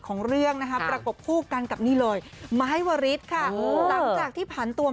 ของเรื่องนะค่ะประกบผู้กันกับนี่เลยไม้เวาริทค่ะที่ผ่านตัว